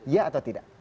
ya atau tidak